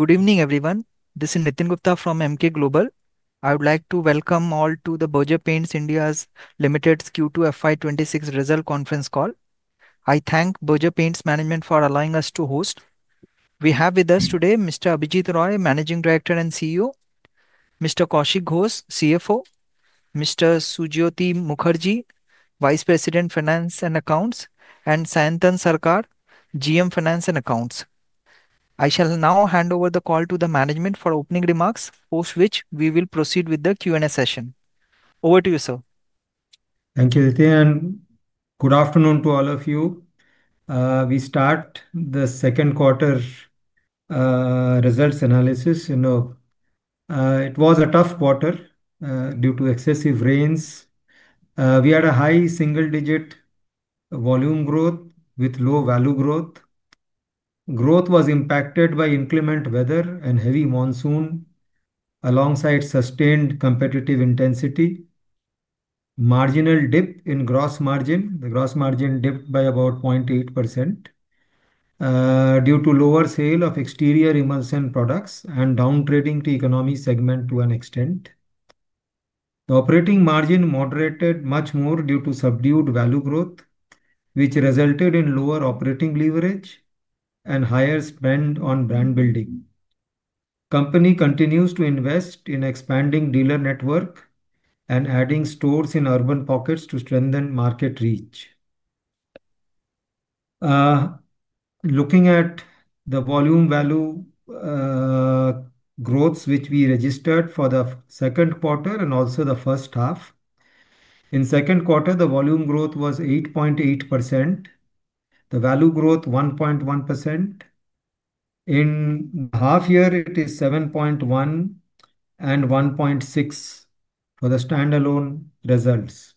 Good evening, everyone. This is Nitin Gupta from Emkay Global. I would like to welcome all to the Berger Paints India Limited Q2 FY 2026 results conference call. I thank Berger Paints Management for allowing us to host. We have with us today Mr. Abhijit Roy, Managing Director and CEO; Mr. Kaushik Ghosh, CFO; Mr. Sujyoti Mukherjee, Vice President Finance and Accounts; and Sayantan Sarkar, GM Finance and Accounts. I shall now hand over the call to the Management for opening remarks, post which we will proceed with the Q&A session. Over to you, sir. Thank you, Nitin, and good afternoon to all of you. We start the second quarter. Results analysis. It was a tough quarter due to excessive rains. We had a high single-digit volume growth with low value growth. Growth was impacted by inclement weather and heavy monsoon. Alongside sustained competitive intensity. Marginal dip in gross margin. The gross margin dipped by about 0.8% due to lower sale of exterior emulsion products and downtrading to economy segment to an extent. The operating margin moderated much more due to subdued value growth, which resulted in lower operating leverage and higher spend on brand building. Company continues to invest in expanding dealer network and adding stores in urban pockets to strengthen market reach. Looking at the volume value growths which we registered for the second quarter and also the first half. In second quarter, the volume growth was 8.8%. The value growth 1.1%. In the half year, it is 7.1% and 1.6% for the standalone results.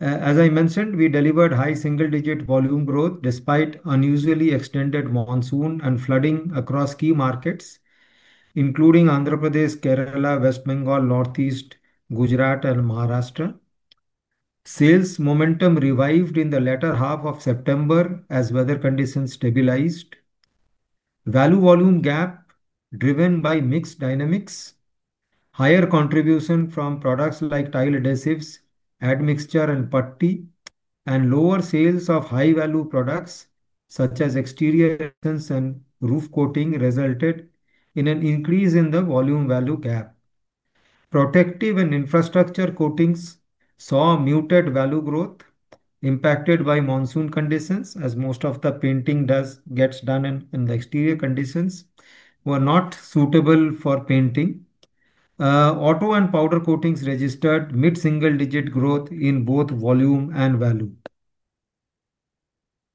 As I mentioned, we delivered high single-digit volume growth despite unusually extended monsoon and flooding across key markets, including Andhra Pradesh, Kerala, West Bengal, Northeast India, Gujarat, and Maharashtra. Sales momentum revived in the latter half of September as weather conditions stabilized. Value volume gap driven by mixed dynamics. Higher contribution from products like tile adhesives, admixture, and putty, and lower sales of high-value products such as exterior adhesives and roof coating resulted in an increase in the volume value gap. Protective and infrastructure coatings saw muted value growth impacted by monsoon conditions, as most of the painting gets done in the exterior conditions, were not suitable for painting. Auto and powder coatings registered mid-single-digit growth in both volume and value.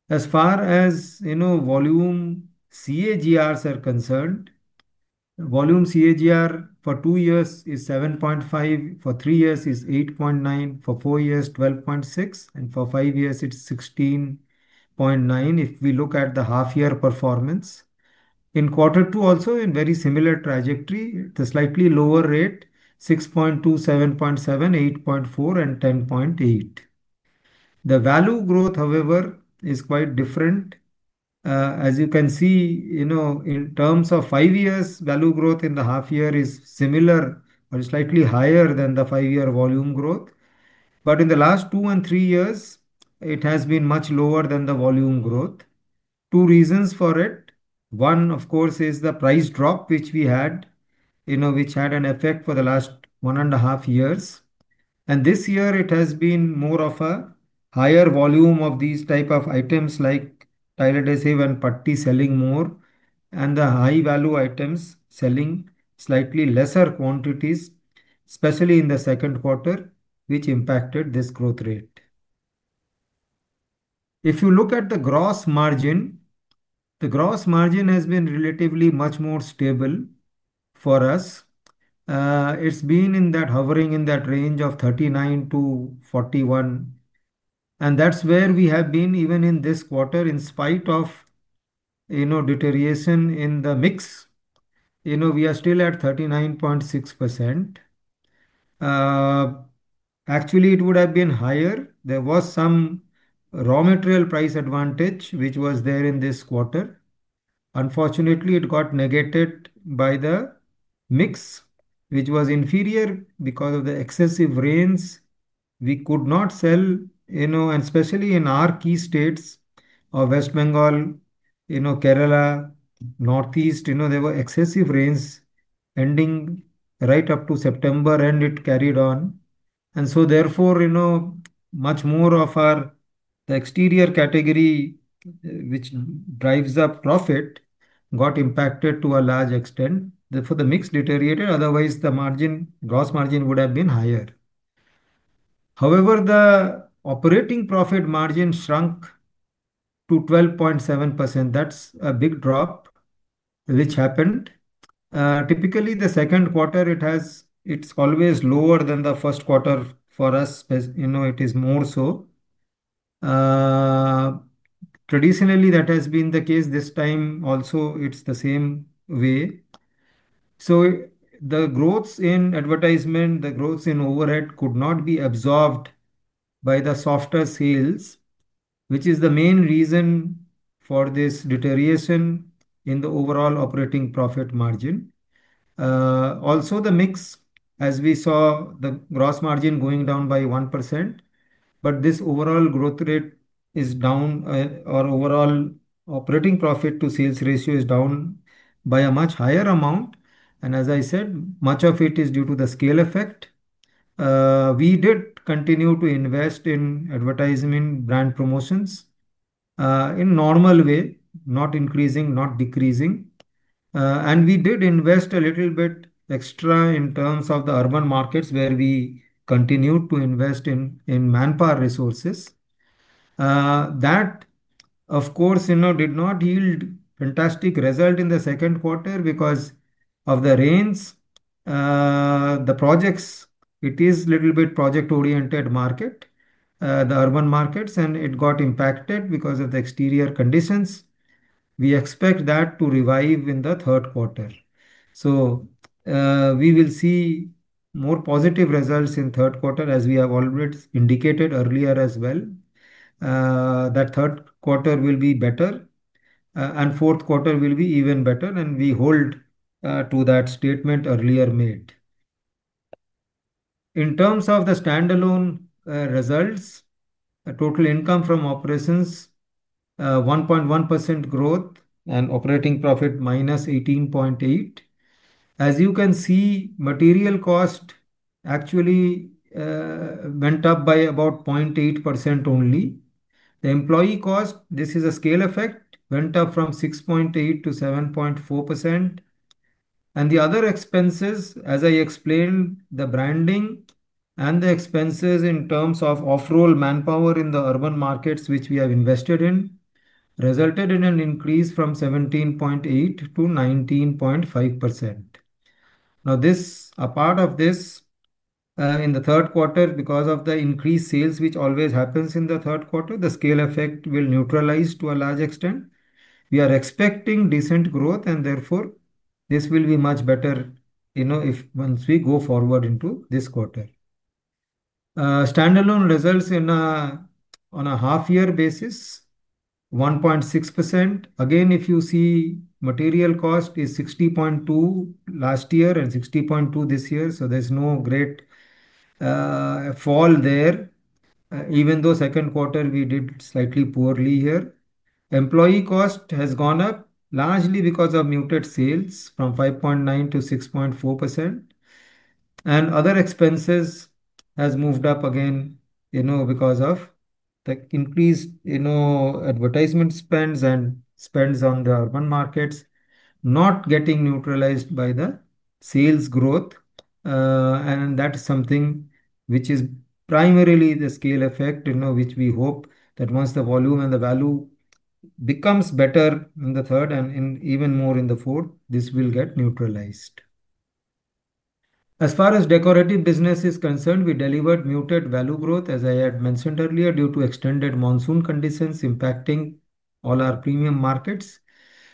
As far as volume CAGRs are concerned. Volume CAGR for two years is 7.5%, for three years is 8.9%, for four years 12.6%, and for five years it's 16.9% if we look at the half-year performance. In quarter two, also in very similar trajectory, the slightly lower rate 6.2%, 7.7%, 8.4%, and 10.8%. The value growth, however, is quite different. As you can see. In terms of five years, value growth in the half year is similar or slightly higher than the five-year volume growth. But in the last two and three years, it has been much lower than the volume growth. Two reasons for it. One, of course, is the price drop which we had. Which had an effect for the last one and a half years. And this year, it has been more of a higher volume of these types of items like tile adhesive and putty selling more, and the high-value items selling slightly lesser quantities, especially in the second quarter, which impacted this growth rate. If you look at the gross margin, the gross margin has been relatively much more stable for us. It's been in that hovering in that range of 39%-41%. And that's where we have been even in this quarter, in spite of deterioration in the mix. We are still at 39.6%. Actually, it would have been higher. There was some raw material price advantage which was there in this quarter. Unfortunately, it got negated by the mix, which was inferior because of the excessive rains. We could not sell, and especially in our key states of West Bengal, Kerala, Northeast, there were excessive rains ending right up to September, and it carried on. Therefore, much more of the exterior category, which drives up profit, got impacted to a large extent. Therefore, the mix deteriorated. Otherwise, the gross margin would have been higher. However, the operating profit margin shrunk to 12.7%. That is a big drop which happened. Typically, the second quarter, it is always lower than the first quarter for us. It is more so. Traditionally, that has been the case. This time, also, it is the same way. The growths in advertisement, the growths in overhead could not be absorbed by the softer sales, which is the main reason for this deterioration in the overall operating profit margin. Also, the mix, as we saw, the gross margin going down by 1%. But this overall growth rate is down, or overall operating profit to sales ratio is down by a much higher amount. As I said, much of it is due to the scale effect. We did continue to invest in advertisement brand promotions in a normal way, not increasing, not decreasing. We did invest a little bit extra in terms of the urban markets where we continued to invest in manpower resources. That, of course, did not yield fantastic results in the second quarter because of the rains. The projects, it is a little bit project-oriented market. The urban markets, and it got impacted because of the exterior conditions. We expect that to revive in the third quarter. We will see more positive results in the third quarter, as we have already indicated earlier as well, that third quarter will be better. Fourth quarter will be even better. We hold to that statement earlier made. In terms of the standalone results, total income from operations, 1.1% growth, and operating profit minus 18.8%. As you can see, material cost actually went up by about 0.8% only. The employee cost, this is a scale effect, went up from 6.8%-7.4%. The other expenses, as I explained, the branding and the expenses in terms of off-roll manpower in the urban markets, which we have invested in, resulted in an increase from 17.8%-19.5%. Now, a part of this in the third quarter, because of the increased sales, which always happens in the third quarter, the scale effect will neutralize to a large extent. We are expecting decent growth, and therefore, this will be much better once we go forward into this quarter. Standalone results on a half-year basis, 1.6%. Again, if you see, material cost is 60.2% last year and 60.2% this year. So there is no great. Fall there, even though second quarter we did slightly poorly here. Employee cost has gone up largely because of muted sales from 5.9%-6.4%. Other expenses have moved up again because of the increased advertisement spends and spends on the urban markets not getting neutralized by the sales growth. That is something which is primarily the scale effect, which we hope that once the volume and the value becomes better in the third and even more in the fourth, this will get neutralized. As far as decorative business is concerned, we delivered muted value growth, as I had mentioned earlier, due to extended monsoon conditions impacting all our premium markets.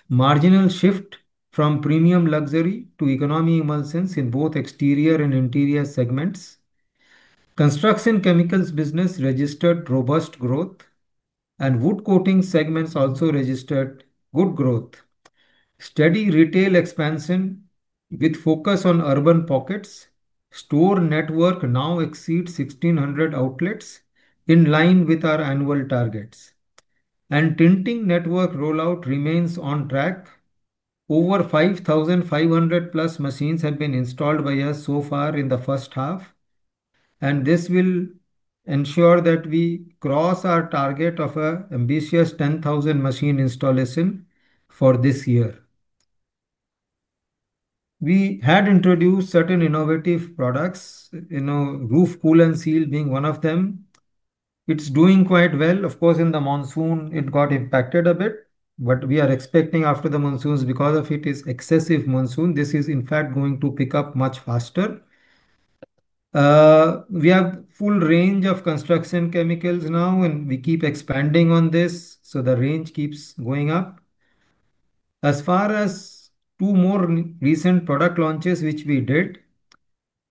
Marginal shift from premium luxury to economy emulsions in both exterior and interior segments. Construction chemicals business registered robust growth. Wood coating segments also registered good growth. Steady retail expansion with focus on urban pockets. Store network now exceeds 1,600 outlets in line with our annual targets. Tinting network rollout remains on track. Over 5,500+ machines have been installed by us so far in the first half. This will ensure that we cross our target of an ambitious 10,000 machine installation for this year. We had introduced certain innovative products. Roof Kool & Seal being one of them. It is doing quite well. Of course, in the monsoon, it got impacted a bit. We are expecting after the monsoons, because of it, it is excessive monsoon. This is, in fact, going to pick up much faster. We have full range of construction chemicals now, and we keep expanding on this. The range keeps going up. As far as two more recent product launches which we did,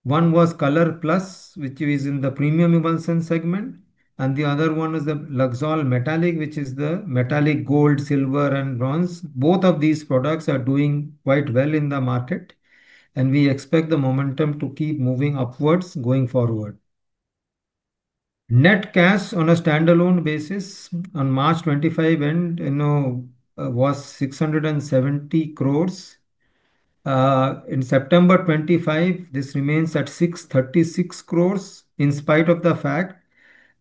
one was Kolor Plus, which is in the premium emulsion segment. The other one is the Luxol Metallic, which is the metallic gold, silver, and bronze. Both of these products are doing quite well in the market. We expect the momentum to keep moving upwards going forward. Net cash on a standalone basis on March 25 end was 670 crore. In September 25, this remains at 636 crore in spite of the fact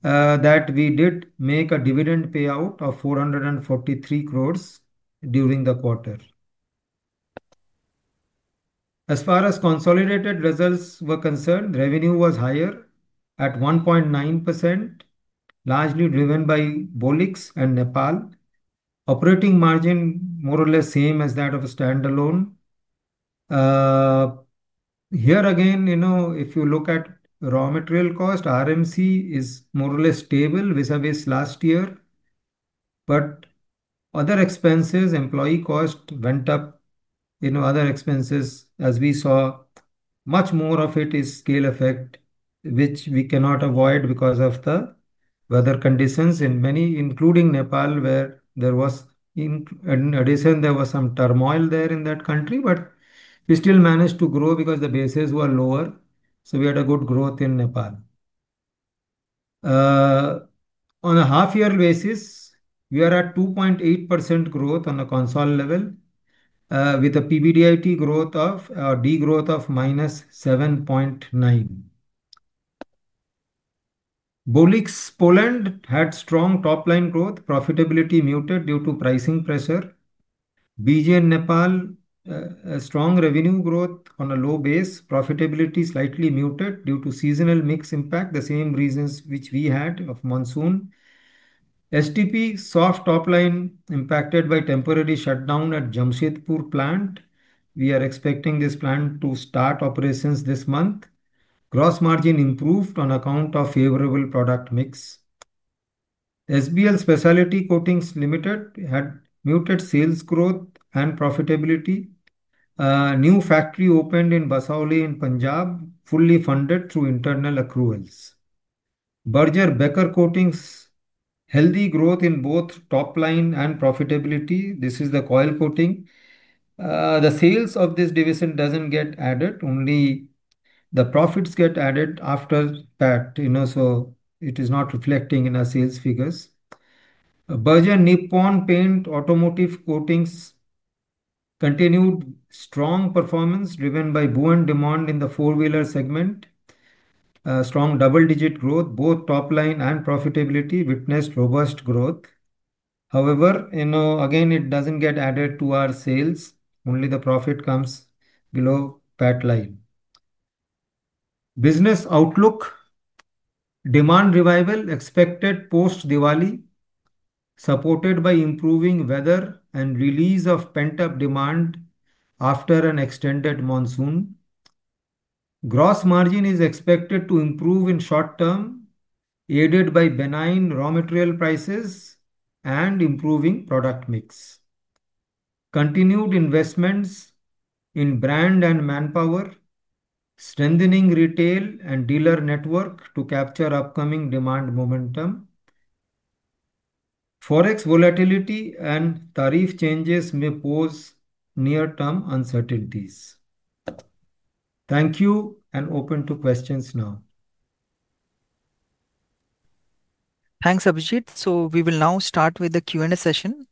that we did make a dividend payout of 443 crore during the quarter. As far as consolidated results were concerned, revenue was higher at 1.9%. Largely driven by BOLIX and Nepal. Operating margin more or less same as that of a standalone. Here again, if you look at raw material cost, RMC is more or less stable vis-à-vis last year. Other expenses, employee cost went up. Other expenses, as we saw, much more of it is scale effect, which we cannot avoid because of the weather conditions in many, including Nepal, where there was, in addition, there was some turmoil there in that country. We still managed to grow because the bases were lower. We had a good growth in Nepal. On a half-year basis, we are at 2.8% growth on the console level. With a PBDIT growth or degrowth of -7.9%. BOLIX, Poland had strong top-line growth. Profitability muted due to pricing pressure. BJ and Nepal, strong revenue growth on a low base. Profitability slightly muted due to seasonal mix impact, the same reasons which we had of monsoon. STP, soft top-line impacted by temporary shutdown at Jamshedpur plant. We are expecting this plant to start operations this month. Gross margin improved on account of favorable product mix. SBL Specialty Coatings Limited had muted sales growth and profitability. New factory opened in Basawali, Punjab, fully funded through internal accruals. Berger Becker Coatings, healthy growth in both top-line and profitability. This is the coil coating. The sales of this division do not get added. Only the profits get added after that. It is not reflecting in our sales figures. Berger Nippon Paint Automotive Coatings, continued strong performance driven by booming demand in the four-wheeler segment. Strong double-digit growth, both top-line and profitability witnessed robust growth. However, again, it does not get added to our sales. Only the profit comes below PAT line. Business outlook. Demand revival expected post Diwali, supported by improving weather and release of pent-up demand after an extended monsoon. Gross margin is expected to improve in short term, aided by benign raw material prices and improving product mix. Continued investments in brand and manpower, strengthening retail and dealer network to capture upcoming demand momentum. Forex volatility and tariff changes may pose near-term uncertainties. Thank you and open to questions now. Thanks, Abhijit. We will now start with the Q&A session.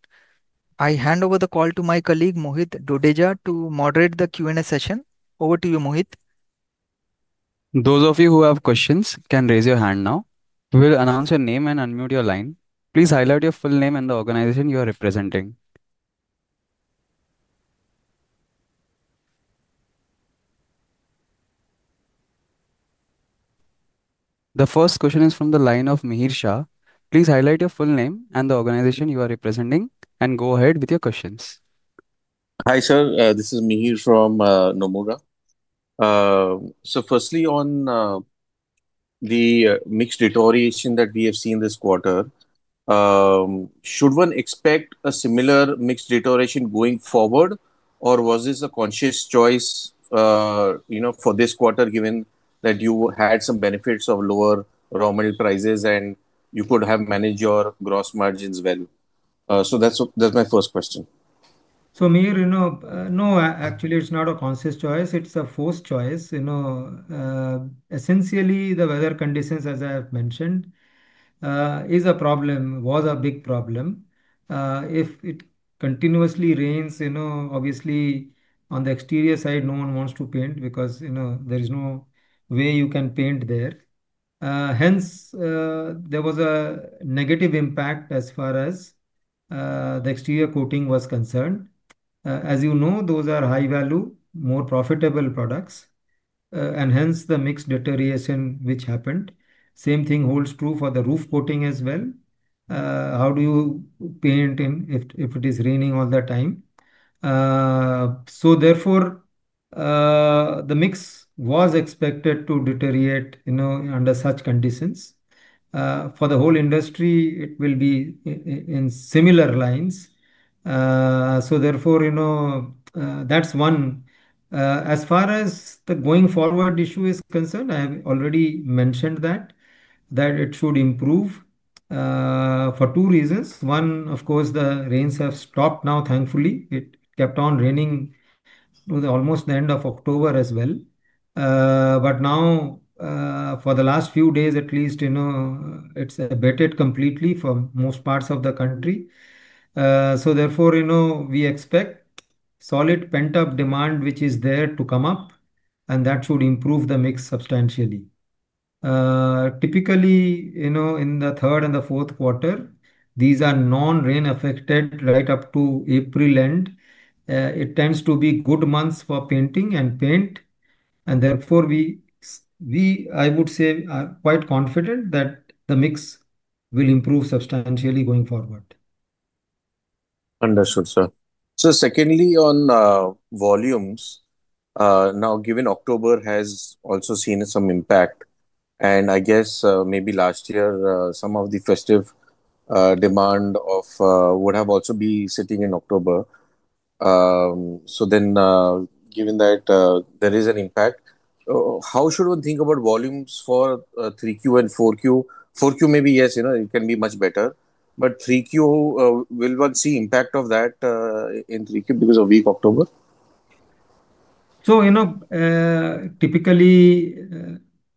I hand over the call to my colleague Mohit Dodeja to moderate the Q&A session. Over to you, Mohit. Those of you who have questions can raise your hand now. We will announce your name and unmute your line. Please highlight your full name and the organization you are representing. The first question is from the line of Mihir Shah. Please highlight your full name and the organization you are representing and go ahead with your questions. Hi sir, this is Mihir Shah from Nomura. Firstly, on the mixed deterioration that we have seen this quarter, should one expect a similar mixed deterioration going forward, or was this a conscious choice for this quarter given that you had some benefits of lower raw material prices and you could have managed your gross margins well? That is my first question. Mihir, no, actually it is not a conscious choice. It is a forced choice. Essentially, the weather conditions, as I have mentioned, is a problem, was a big problem. If it continuously rains, obviously on the exterior side, no one wants to paint because there is no way you can paint there. Hence, there was a negative impact as far as the exterior coating was concerned. As you know, those are high-value, more profitable products, and hence the mixed deterioration which happened. Same thing holds true for the roof coating as well. How do you paint if it is raining all the time? Therefore, the mix was expected to deteriorate under such conditions. For the whole industry, it will be in similar lines. Therefore, that is one. As far as the going forward issue is concerned, I have already mentioned that it should improve for two reasons. One, of course, the rains have stopped now, thankfully. It kept on raining almost to the end of October as well, but now, for the last few days at least, it has abated completely for most parts of the country. Therefore, we expect solid pent-up demand which is there to come up, and that should improve the mix substantially. Typically, in the third and the fourth quarter, these are non-rain affected right up to April end. It tends to be good months for painting and paint, and therefore, we, I would say, are quite confident that the mix will improve substantially going forward. Understood, sir. Secondly, on volumes, now, given October has also seen some impact, and I guess maybe last year some of the festive demand would have also been sitting in October. Given that there is an impact, how should one think about volumes for 3Q and 4Q? 4Q maybe, yes, it can be much better, but 3Q, will one see impact of that in 3Q because of weak October? Typically,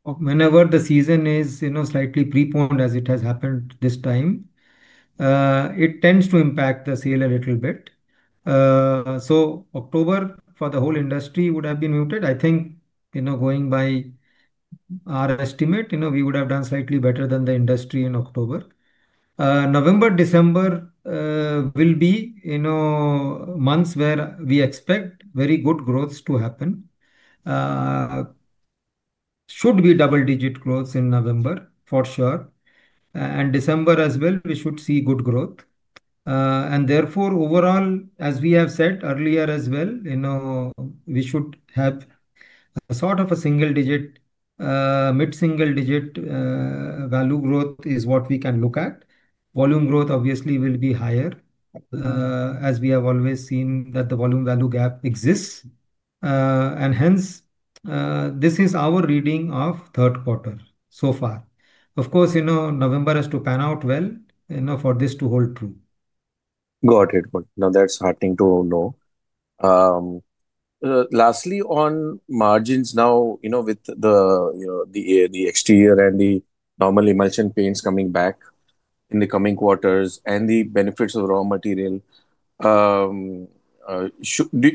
whenever the season is slightly preponderant, as it has happened this time, it tends to impact the sale a little bit. October for the whole industry would have been muted. I think, going by our estimate, we would have done slightly better than the industry in October. November, December will be months where we expect very good growths to happen. Should be double-digit growths in November, for sure, and December as well, we should see good growth. Therefore, overall, as we have said earlier as well, we should have a sort of a single-digit, mid-single-digit value growth is what we can look at. Volume growth obviously will be higher. As we have always seen that the volume-value gap exists, and hence, this is our reading of third quarter so far. Of course, November has to pan out well for this to hold true. Got it. Now that is heartening to know. Lastly, on margins now, with the exterior and the normal emulsion paints coming back in the coming quarters and the benefits of raw material, do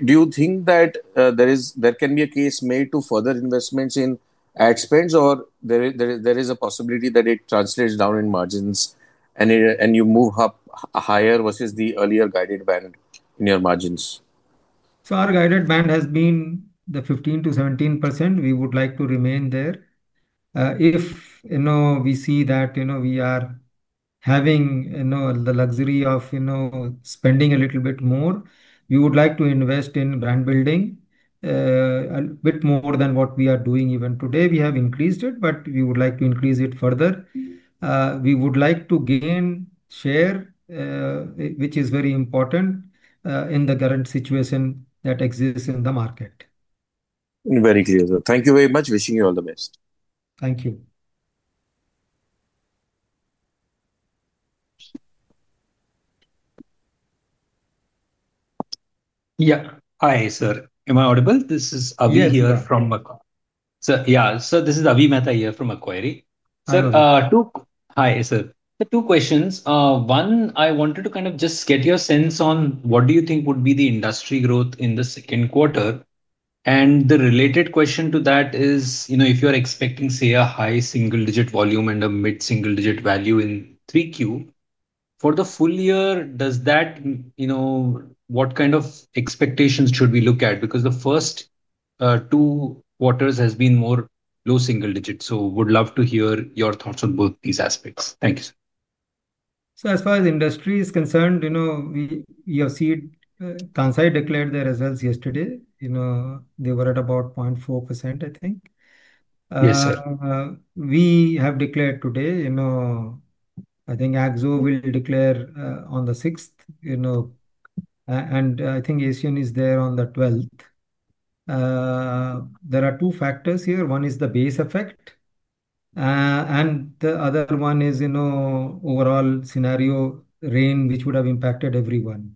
you think that there can be a case made to further investments in ad spends, or there is a possibility that it translates down in margins and you move up higher versus the earlier guided band in your margins? Our guided band has been the 15%-17%. We would like to remain there. If we see that we are having the luxury of spending a little bit more, we would like to invest in brand building a bit more than what we are doing even today. We have increased it, but we would like to increase it further. We would like to gain share, which is very important in the current situation that exists in the market. Very clear, sir. Thank you very much. Wishing you all the best. Thank you. Yeah. Hi, sir. Am I audible? This is Abhi here from. Yeah, so this is Abhi Mehta here from Acquis. Sir. Hi, sir. Two questions. One, I wanted to kind of just get your sense on what do you think would be the industry growth in the second quarter? And the related question to that is, if you're expecting, say, a high single-digit volume and a mid-single-digit value in 3Q, for the full year, does that. What kind of expectations should we look at? Because the first two quarters has been more low single-digit. So would love to hear your thoughts on both these aspects. Thank you, sir. So as far as industry is concerned, we have seen Kansai declared their results yesterday. They were at about 0.4%, I think. Yes, sir. We have declared today. I think Akzo will declare on the 6th. And I think ACN is there on the 12th. There are two factors here. One is the base effect, and the other one is overall scenario, rain, which would have impacted everyone.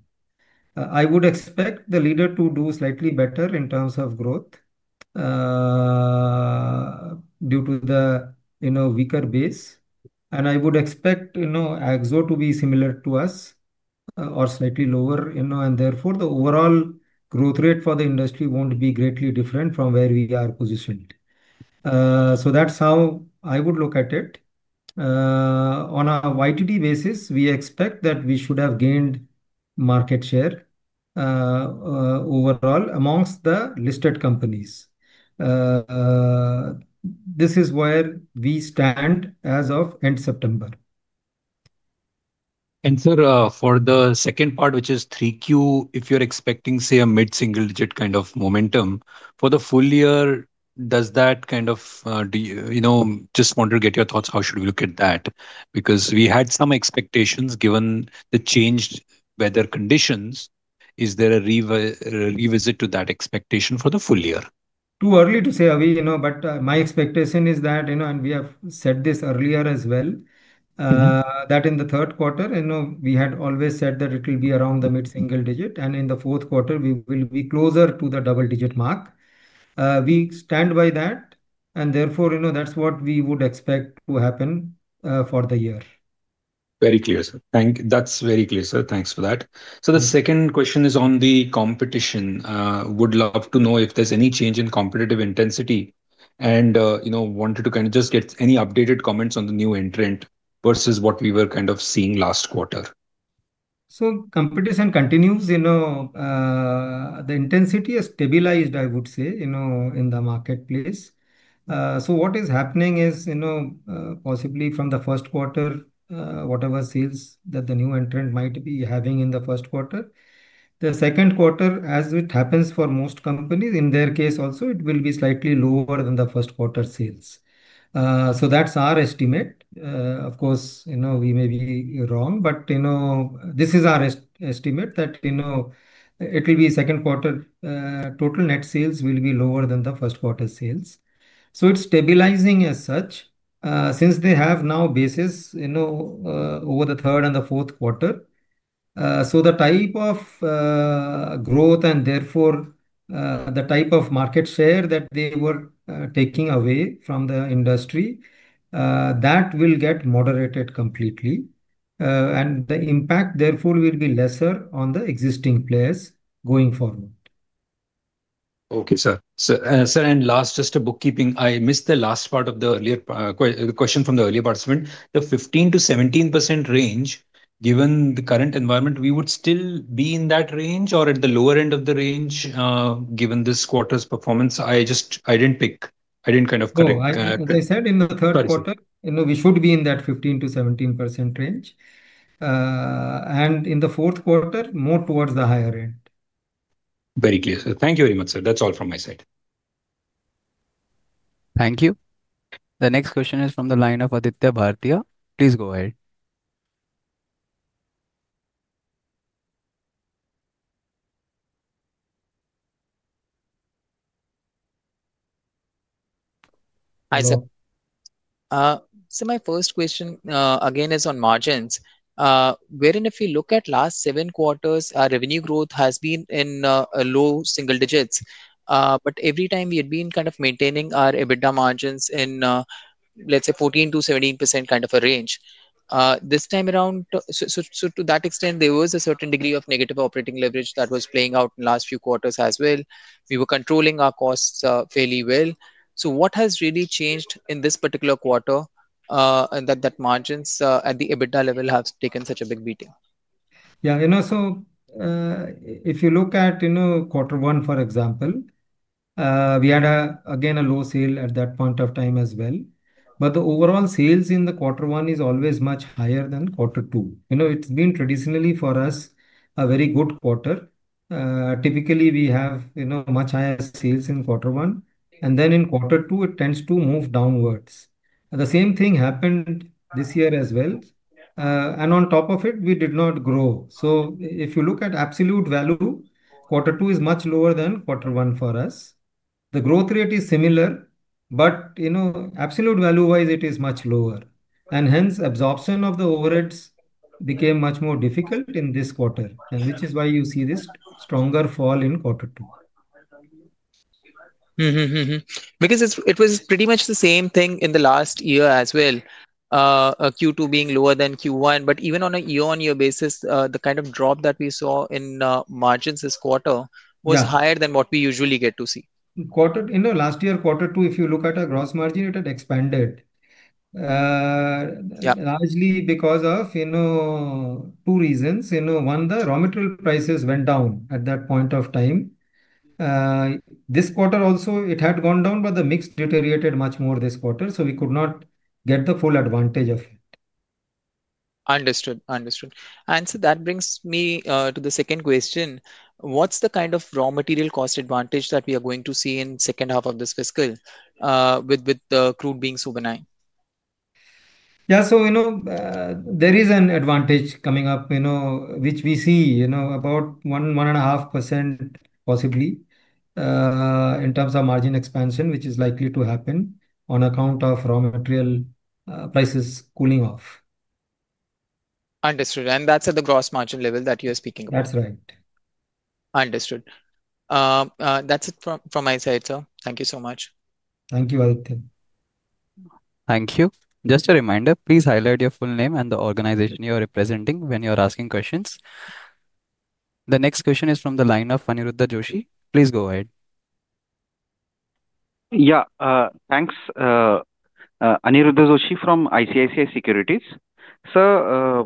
I would expect the leader to do slightly better in terms of growth due to the weaker base. And I would expect Akzo to be similar to us or slightly lower, and therefore, the overall growth rate for the industry won't be greatly different from where we are positioned. So that's how I would look at it. On a YTD basis, we expect that we should have gained market share overall amongst the listed companies. This is where we stand as of end September. And sir, for the second part, which is 3Q, if you're expecting, say, a mid-single-digit kind of momentum for the full year, does that kind of. Just want to get your thoughts? How should we look at that? Because we had some expectations given the changed weather conditions. Is there a revisit to that expectation for the full year? Too early to say, Abhi, but my expectation is that, and we have said this earlier as well, that in the third quarter, we had always said that it will be around the mid-single digit. And in the fourth quarter, we will be closer to the double-digit mark. We stand by that, and therefore, that's what we would expect to happen for the year. Very clear, sir. Thank you. That's very clear, sir. Thanks for that. So the second question is on the competition. Would love to know if there's any change in competitive intensity and wanted to kind of just get any updated comments on the new entrant versus what we were kind of seeing last quarter. Competition continues. The intensity has stabilized, I would say, in the marketplace. What is happening is. Possibly from the first quarter, whatever sales that the new entrant might be having in the first quarter. The second quarter, as it happens for most companies, in their case also, it will be slightly lower than the first quarter sales. That is our estimate. Of course, we may be wrong, but this is our estimate that it will be second quarter total net sales will be lower than the first quarter sales. It is stabilizing as such since they have now basis over the third and the fourth quarter. The type of growth and therefore the type of market share that they were taking away from the industry, that will get moderated completely. The impact, therefore, will be lesser on the existing players going forward. Okay, sir. Last, just a bookkeeping. I missed the last part of the question from the earlier participant. The 15%-17% range, given the current environment, we would still be in that range or at the lower end of the range given this quarter's performance? I did not pick. I did not kind of correct. No, I said in the third quarter, we should be in that 15%-17% range. In the fourth quarter, more towards the higher end. Very clear, sir. Thank you very much, sir. That is all from my side. Thank you. The next question is from the line of Aditya Bhartia. Please go ahead. Hi, sir. My first question again is on margins. Wherein, if you look at last seven quarters, our revenue growth has been in low single digits. Every time we had been kind of maintaining our EBITDA margins in, let us say, 14%-17% kind of a range. This time around, to that extent, there was a certain degree of negative operating leverage that was playing out in the last few quarters as well. We were controlling our costs fairly well. What has really changed in this particular quarter that margins at the EBITDA level have taken such a big beating? Yeah. If you look at quarter one, for example, we had, again, a low sale at that point of time as well. The overall sales in the quarter one is always much higher than quarter two. It has been traditionally for us a very good quarter. Typically, we have much higher sales in quarter one, and then in quarter two, it tends to move downwards. The same thing happened this year as well. On top of it, we did not grow. If you look at absolute value, quarter two is much lower than quarter one for us. The growth rate is similar, but absolute value-wise, it is much lower. Hence, absorption of the overheads became much more difficult in this quarter, which is why you see this stronger fall in quarter two, because it was pretty much the same thing in the last year as well, Q2 being lower than Q1. But even on a year-on-year basis, the kind of drop that we saw in margins this quarter was higher than what we usually get to see. Last year, quarter two, if you look at our gross margin, it had expanded. Largely because of two reasons. One, the raw material prices went down at that point of time. This quarter also, it had gone down, but the mix deteriorated much more this quarter. We could not get the full advantage of it. Understood. Understood. That brings me to the second question. What's the kind of raw material cost advantage that we are going to see in the second half of this fiscal with the crude being so benign? Yeah. There is an advantage coming up, which we see about 1.5% possibly in terms of margin expansion, which is likely to happen on account of raw material prices cooling off. Understood. That's at the gross margin level that you're speaking about. That's right. Understood. That's it from my side, sir. Thank you so much. Thank you, Aditya. Thank you. Just a reminder, please highlight your full name and the organization you are representing when you're asking questions. The next question is from the line of Aniruddha Joshi. Please go ahead. Yeah. Thanks. Aniruddha Joshi from ICICI Securities. Sir,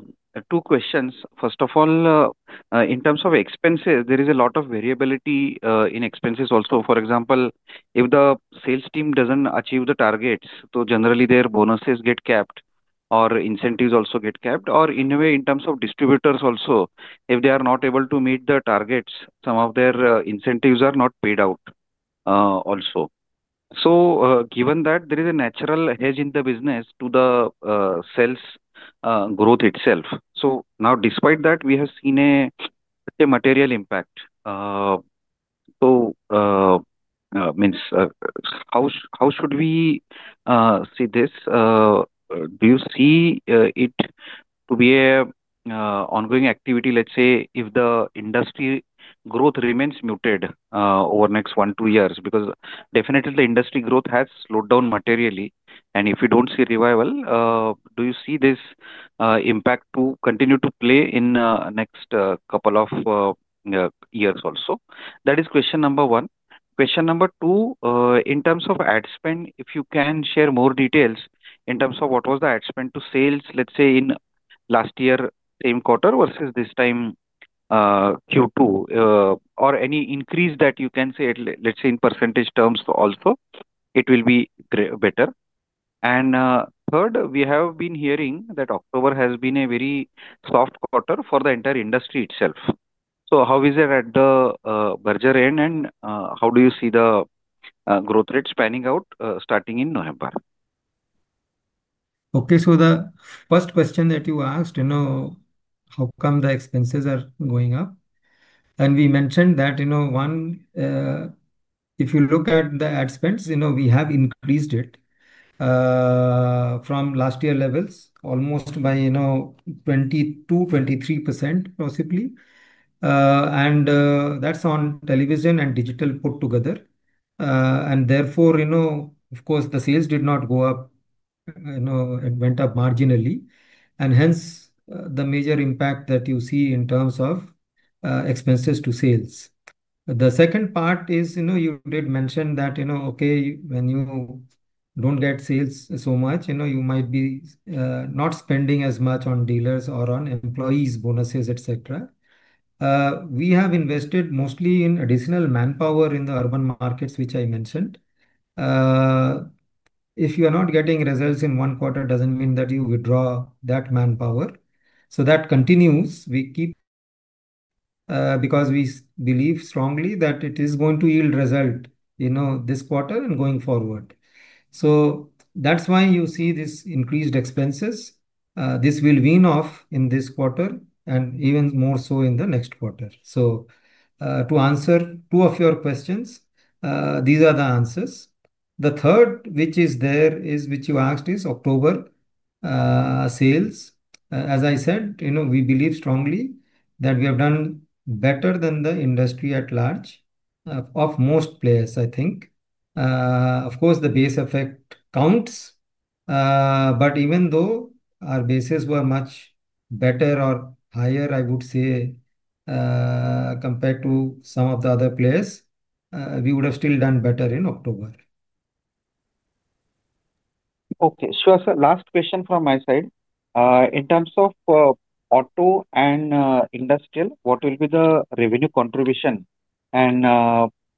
two questions. First of all, in terms of expenses, there is a lot of variability in expenses also. For example, if the sales team doesn't achieve the targets, then generally their bonuses get capped or incentives also get capped. Or in a way, in terms of distributors also, if they are not able to meet the targets, some of their incentives are not paid out also. Given that, there is a natural hedge in the business to the sales growth itself. Now, despite that, we have seen a material impact. How should we see this? Do you see it to be an ongoing activity, let's say, if the industry growth remains muted over the next one to two years? Because definitely the industry growth has slowed down materially. If we don't see revival, do you see this impact to continue to play in the next couple of years also? That is question number one. Question number two, in terms of ad spend, if you can share more details in terms of what was the ad spend to sales, let's say, in last year, same quarter versus this time, Q2, or any increase that you can say, let's say, in percentage terms also, it will be better. Third, we have been hearing that October has been a very soft quarter for the entire industry itself. How is it at the Berger end, and how do you see the growth rate spanning out starting in November? Okay. The first question that you asked, how come the expenses are going up? We mentioned that one. If you look at the ad spends, we have increased it from last year levels almost by 22%, 23% possibly, and that's on television and digital put together. Therefore, of course, the sales did not go up. It went up marginally, and hence, the major impact that you see in terms of expenses to sales. The second part is you did mention that, okay, when you do not get sales so much, you might be not spending as much on dealers or on employees' bonuses, etc. We have invested mostly in additional manpower in the urban markets, which I mentioned. If you are not getting results in one quarter, it does not mean that you withdraw that manpower. That continues. We keep, because we believe strongly that it is going to yield results this quarter and going forward. That is why you see this increased expenses. This will wean off in this quarter and even more so in the next quarter. To answer two of your questions, these are the answers. The third, which is there, which you asked, is October sales. As I said, we believe strongly that we have done better than the industry at large. Of most players, I think, of course, the base effect counts, but even though our bases were much better or higher, I would say, compared to some of the other players, we would have still done better in October. Okay. Last question from my side. In terms of auto and industrial, what will be the revenue contribution and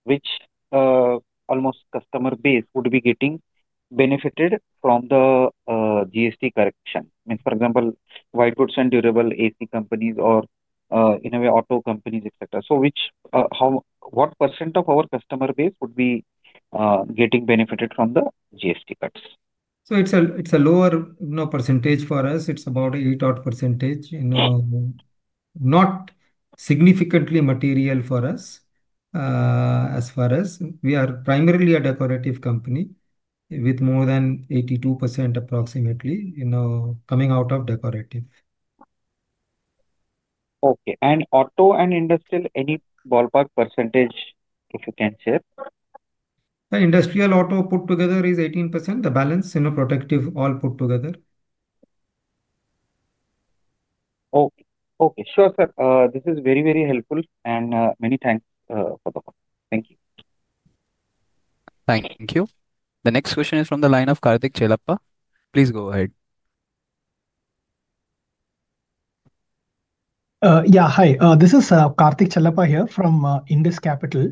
which almost customer base would be getting benefited from the GST correction? For example, white goods and durable AC companies or, in a way, auto companies, etc. What percent of our customer base would be getting benefited from the GST cuts? It is a lower percentage for us. It is about 8% odd. Not significantly material for us, as far as we are primarily a decorative company with more than 82% approximately coming out of decorative. Okay. Auto and industrial, any ballpark percentage if you can share? Industrial auto put together is 18%. The balance, protective all put together. Okay. Sure, sir. This is very, very helpful, and many thanks for the call. Thank you. Thank you. The next question is from the line of Karthik Chellappa. Please go ahead. Yeah. Hi. This is Karthik Chellappa here from Indus Capital.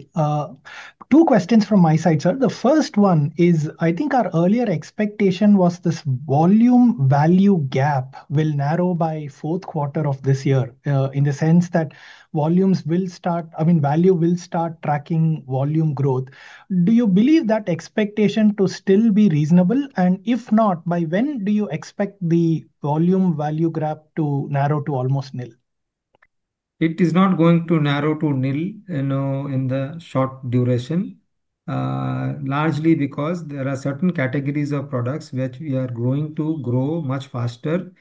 Two questions from my side, sir. The first one is, I think our earlier expectation was this volume value gap will narrow by fourth quarter of this year in the sense that volumes will start, I mean, value will start tracking volume growth. Do you believe that expectation to still be reasonable? If not, by when do you expect the volume value gap to narrow to almost nil? It is not going to narrow to nil in the short duration. Largely because there are certain categories of products which we are going to grow much faster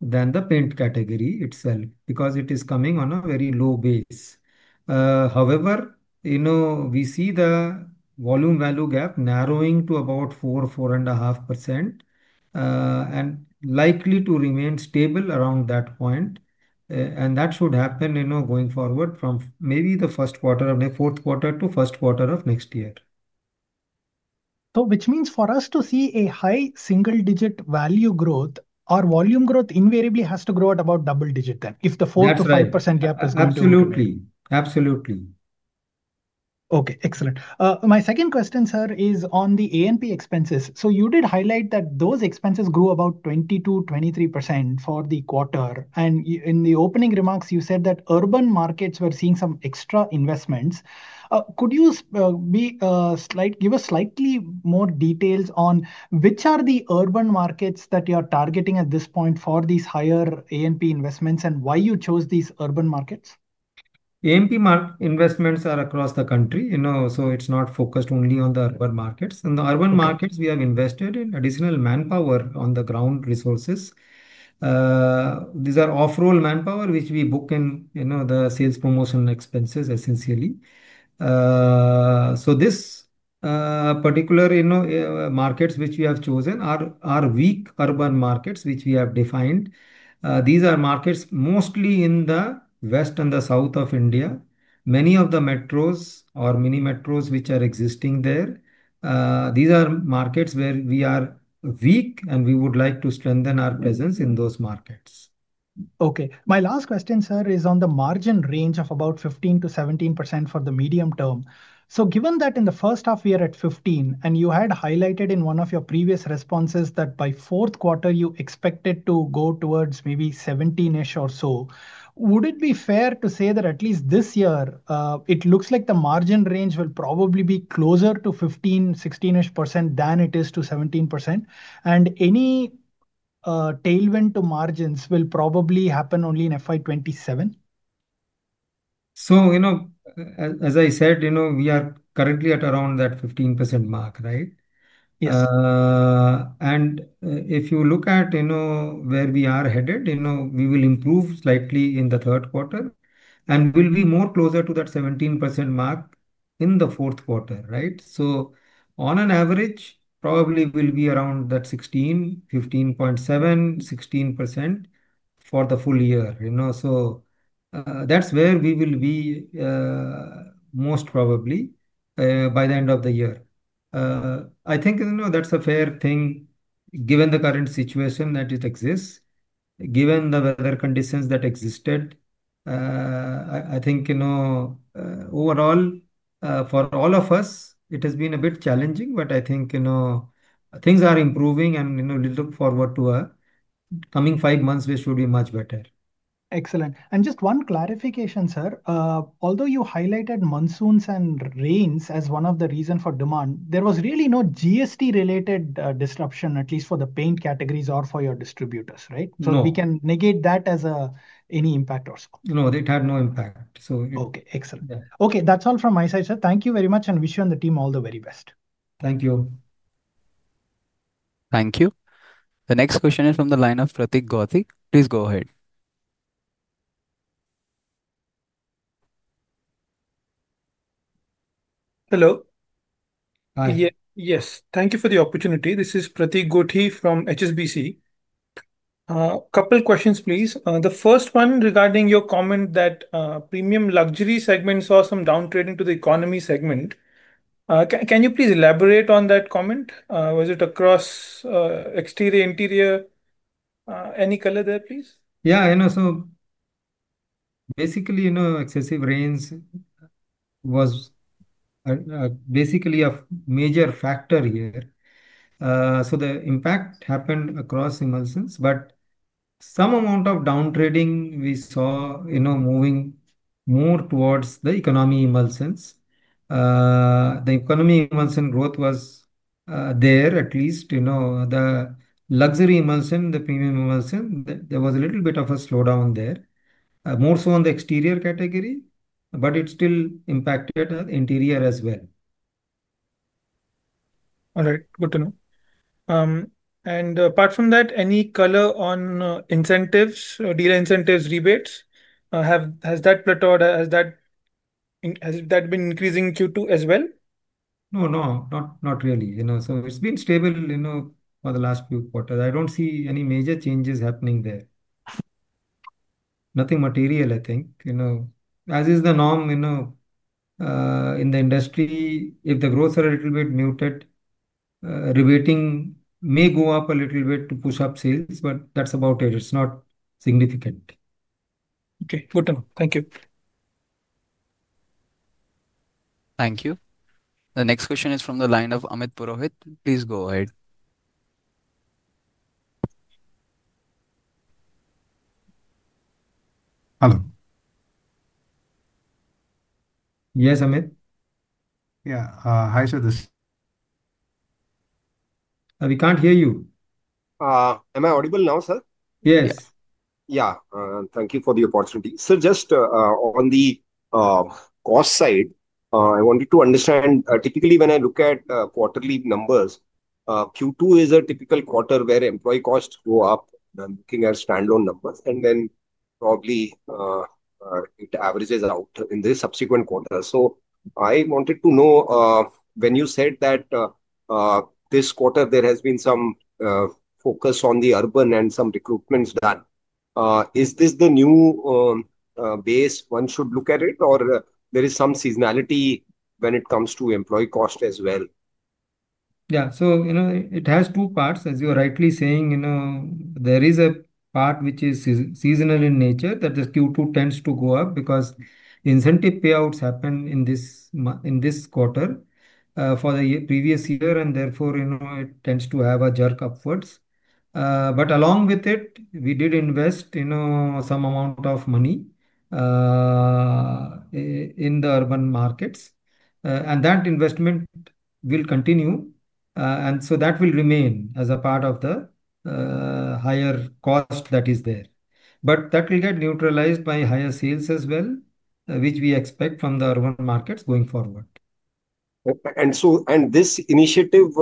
than the paint category itself because it is coming on a very low base. However, we see the volume value gap narrowing to about 4%, 4.5%, and likely to remain stable around that point. That should happen going forward from maybe the fourth quarter of next year. Which means for us to see a high single-digit value growth, our volume growth invariably has to grow at about double digit then if the 4%-5% gap is not going to. Absolutely. Absolutely. Okay. Excellent. My second question, sir, is on the A&P expenses. You did highlight that those expenses grew about 22%-23% for the quarter. In the opening remarks, you said that urban markets were seeing some extra investments. Could you give us slightly more details on which are the urban markets that you are targeting at this point for these higher A&P investments and why you chose these urban markets? A&P investments are across the country, so it's not focused only on the urban markets. In the urban markets, we have invested in additional manpower on the ground resources. These are off-road manpower, which we book in the sales promotion expenses, essentially. This particular markets which we have chosen are weak urban markets, which we have defined. These are markets mostly in the west and the south of India. Many of the metros or mini metros which are existing there, these are markets where we are weak, and we would like to strengthen our presence in those markets. Okay. My last question, sir, is on the margin range of about 15%-17% for the medium term. Given that in the first half, we are at 15%, and you had highlighted in one of your previous responses that by fourth quarter, you expected to go towards maybe 17%-ish or so, would it be fair to say that at least this year, it looks like the margin range will probably be closer to 15%, 16%-ish than it is to 17%? Any tailwind to margins will probably happen only in FY 2027? As I said, we are currently at around that 15% mark, right? Yes. If you look at where we are headed, we will improve slightly in the third quarter and will be more closer to that 17% mark in the fourth quarter, right? On an average, probably will be around that 16%, 15.7%, 16% for the full year. That's where we will be, most probably, by the end of the year. I think that's a fair thing given the current situation that exists, given the weather conditions that existed. I think overall, for all of us, it has been a bit challenging, but I think things are improving, and we look forward to coming five months, we should be much better. Excellent. Just one clarification, sir. Although you highlighted monsoons and rains as one of the reasons for demand, there was really no GST-related disruption, at least for the paint categories or for your distributors, right? We can negate that as any impact or so. No, it had no impact. Okay. Excellent. That's all from my side, sir. Thank you very much, and wish you and the team all the very best. Thank you. Thank you. The next question is from the line of Pratik Gothi. Please go ahead. Hello. Yes. Thank you for the opportunity. This is Pratik Gothi from HSBC. A couple of questions, please. The first one regarding your comment that premium luxury segment saw some downtrading to the economy segment. Can you please elaborate on that comment? Was it across exterior, interior? Any color there, please? Yeah. Basically, excessive rains were basically a major factor here. The impact happened across emulsions, but some amount of downtrading we saw moving more towards the economy emulsions. The economy emulsion growth was there, at least. The luxury emulsion, the premium emulsion, there was a little bit of a slowdown there, more so on the exterior category, but it still impacted interior as well. All right. Good to know. Apart from that, any color on incentives, dealer incentives, rebates? Has that plateaued? Has that been increasing Q2 as well? No, no. Not really. It's been stable for the last few quarters. I do not see any major changes happening there. Nothing material, I think. As is the norm in the industry, if the growths are a little bit muted, rebating may go up a little bit to push up sales, but that's about it. It's not significant. Okay. Good to know. Thank you. Thank you. The next question is from the line of Amit Purohit. Please go ahead. Hello. Yes, Amit. Yeah. Hi, Abhijit. We can't hear you. Am I audible now, sir? Yes. Yeah. Thank you for the opportunity. Sir, just on the cost side, I wanted to understand. Typically, when I look at quarterly numbers, Q2 is a typical quarter where employee costs go up. I'm looking at standalone numbers, and then probably it averages out in the subsequent quarter. I wanted to know when you said that this quarter, there has been some focus on the urban and some recruitments done. Is this the new base one should look at it, or there is some seasonality when it comes to employee cost as well? Yeah. It has two parts. As you are rightly saying, there is a part which is seasonal in nature that the Q2 tends to go up because incentive payouts happen in this quarter for the previous year, and therefore, it tends to have a jerk upwards. Along with it, we did invest some amount of money in the urban markets, and that investment will continue, and so that will remain as a part of the higher cost that is there. That will get neutralized by higher sales as well, which we expect from the urban markets going forward. This initiative,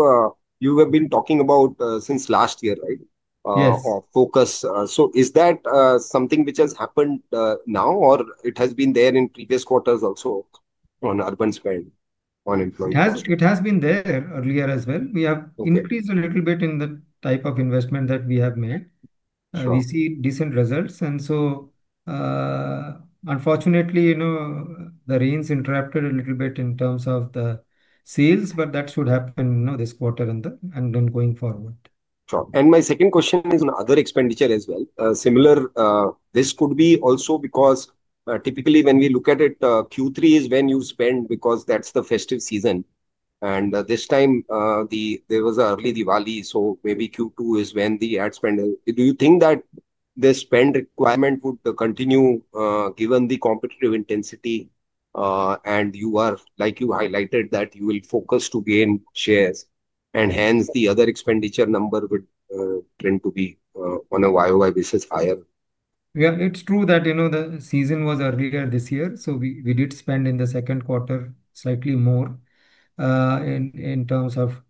you have been talking about since last year, right? Focus. Is that something which has happened now, or has it been there in previous quarters also on urban spend on employees? It has been there earlier as well. We have increased a little bit in the type of investment that we have made. We see decent results. Unfortunately, the rains interrupted a little bit in terms of the sales, but that should happen this quarter and then going forward. My second question is on other expenditure as well. Similar, this could be also because typically when we look at it, Q3 is when you spend because that is the festive season. This time, there was an early Diwali, so maybe Q2 is when the ad spend. Do you think that the spend requirement would continue given the competitive intensity? You highlighted that you will focus to gain shares, and hence, the other expenditure number would tend to be on a YoY basis higher. Yeah. It is true that the season was earlier this year, so we did spend in the second quarter slightly more in terms of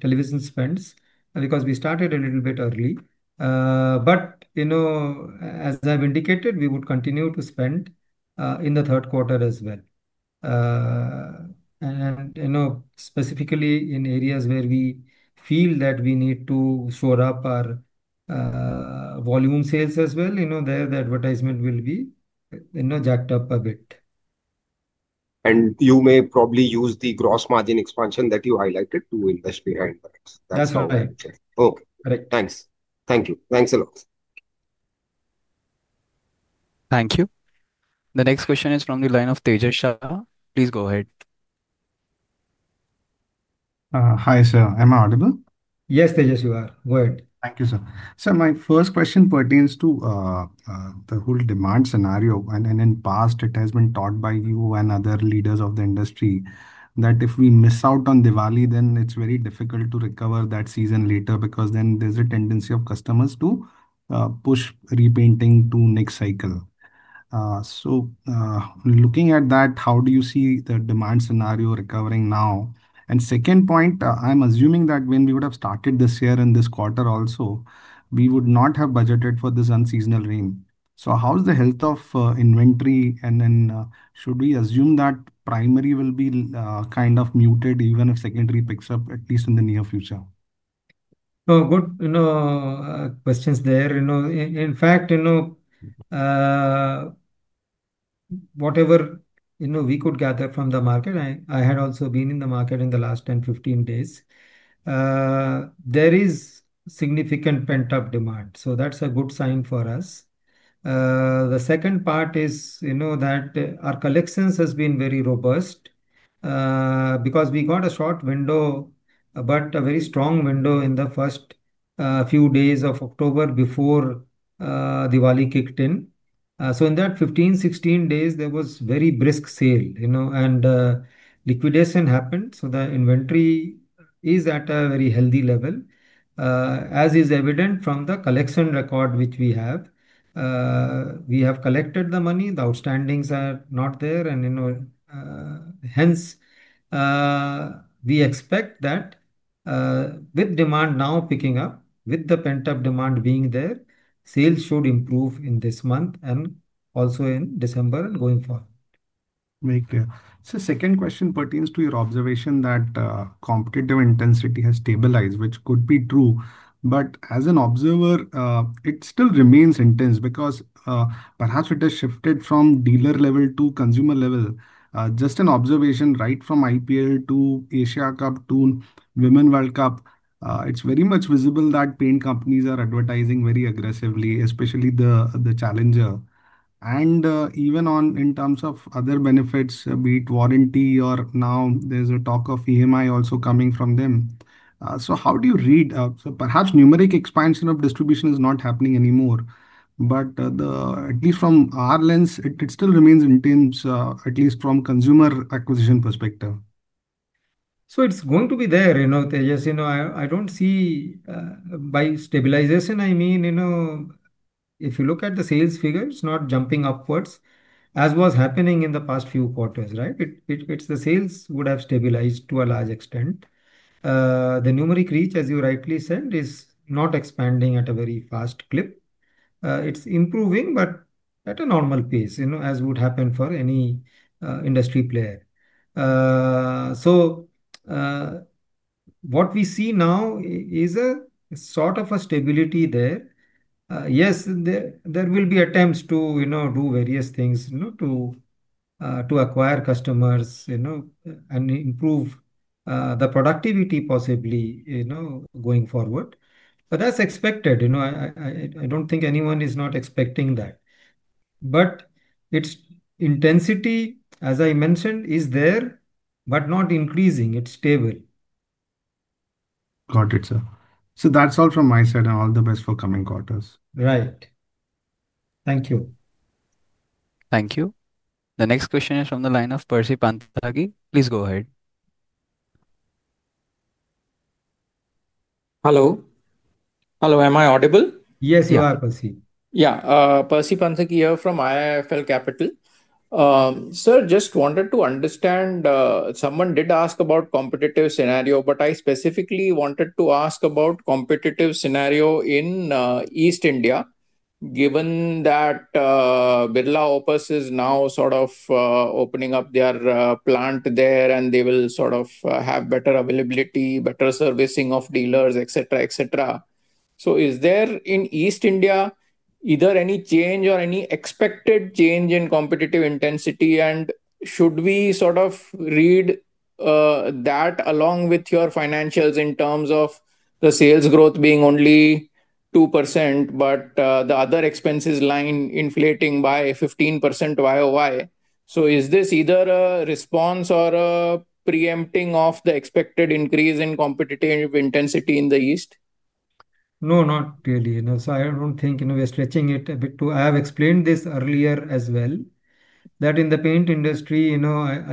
television spends because we started a little bit early. As I have indicated, we would continue to spend in the third quarter as well. Specifically in areas where we feel that we need to shore up our volume sales as well, there the advertisement will be jacked up a bit. You may probably use the gross margin expansion that you highlighted to invest behind that. That is all right. Okay. Correct. Thanks. Thank you. Thanks a lot. Thank you. The next question is from the line of Tejas Shah. Please go ahead. Hi, sir. Am I audible? Yes, Tejash, you are. Go ahead. Thank you, sir. Sir, my first question pertains to the whole demand scenario. In the past, it has been taught by you and other leaders of the industry that if we miss out on Diwali, then it is very difficult to recover that season later because then there is a tendency of customers to push repainting to next cycle. Looking at that, how do you see the demand scenario recovering now? Second point, I am assuming that when we would have started this year in this quarter also, we would not have budgeted for this unseasonal rain. How is the health of inventory? Should we assume that primary will be kind of muted even if secondary picks up, at least in the near future? Good questions there. In fact, whatever we could gather from the market, I had also been in the market in the last 10-15 days. There is significant pent-up demand, so that is a good sign for us. The second part is that our collections have been very robust because we got a short window. But a very strong window in the first few days of October before Diwali kicked in. In that 15-16 days, there was very brisk sale, and liquidation happened. The inventory is at a very healthy level, as is evident from the collection record which we have. We have collected the money, the outstandings are not there. Hence, we expect that with demand now picking up, with the pent-up demand being there, sales should improve in this month and also in December and going forward. Makes sense. Second question pertains to your observation that competitive intensity has stabilized, which could be true. As an observer, it still remains intense because perhaps it has shifted from dealer level to consumer level. Just an observation, right from IPL to Asia Cup to Women's World Cup, it is very much visible that paint companies are advertising very aggressively, especially the challenger. Even in terms of other benefits, be it warranty or now there is a talk of EMI also coming from them. How do you read? Perhaps numeric expansion of distribution is not happening anymore, but at least from our lens, it still remains intense, at least from consumer acquisition perspective. It is going to be there, Tejas. I do not see. By stabilization, I mean if you look at the sales figure, it is not jumping upwards as was happening in the past few quarters, right? The sales would have stabilized to a large extent. The numeric reach, as you rightly said, is not expanding at a very fast clip. It is improving, but at a normal pace, as would happen for any industry player. What we see now is a sort of stability there. Yes, there will be attempts to do various things to acquire customers and improve the productivity possibly going forward, but that is expected. I do not think anyone is not expecting that. Its intensity, as I mentioned, is there but not increasing. It is stable. Got it, sir. That is all from my side, and all the best for coming quarters. Right. Thank you. Thank you. The next question is from the line of Percy Panthaki. Please go ahead. Hello. Hello. Am I audible? Yes, you are, Percy. Yeah. Percy Panthaki here from IFL Capital. Sir, just wanted to understand. Someone did ask about competitive scenario, but I specifically wanted to ask about competitive scenario in East India, given that Birla Opus is now sort of opening up their plant there, and they will sort of have better availability, better servicing of dealers, etc., etc. Is there in East India either any change or any expected change in competitive intensity? Should we sort of read that along with your financials in terms of the sales growth being only 2%, but the other expenses line inflating by 15% YoY? Is this either a response or a preempting of the expected increase in competitive intensity in the East? No, not really. I do not think we are stretching it a bit too. I have explained this earlier as well, that in the paint industry, I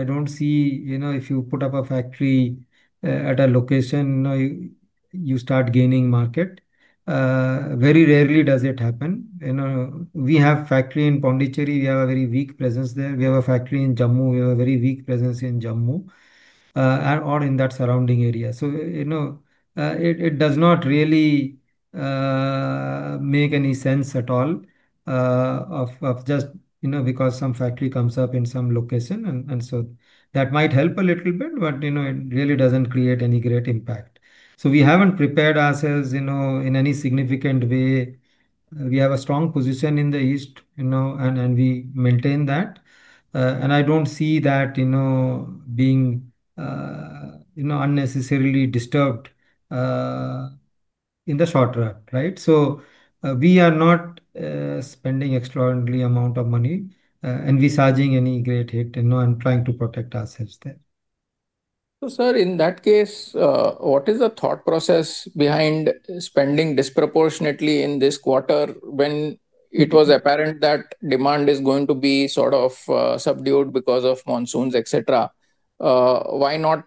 do not see if you put up a factory at a location, you start gaining market. Very rarely does it happen. We have a factory in Puducherry We have a very weak presence there. We have a factory in Jammu. We have a very weak presence in Jammu or in that surrounding area. It does not really make any sense at all just because some factory comes up in some location. That might help a little bit, but it really does not create any great impact. We have not prepared ourselves in any significant way. We have a strong position in the East, and we maintain that. I do not see that being unnecessarily disturbed in the short run, right? We are not spending an extraordinary amount of money envisaging any great hit and trying to protect ourselves there. In that case, what is the thought process behind spending disproportionately in this quarter when it was apparent that demand is going to be sort of subdued because of monsoons, etc.? Why not